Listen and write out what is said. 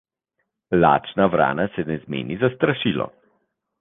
Lačna vrana se ne zmeni za strašilo.